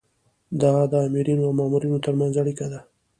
دا د آمرینو او مامورینو ترمنځ اړیکه ده.